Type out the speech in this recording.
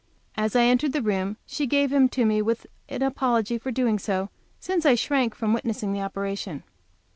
As I entered the room she gave him to me with an apology for doing so, since I shrank from witnessing the operation.